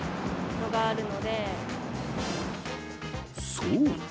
そう！